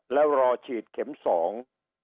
แล้วรอฉีดเข็มสอง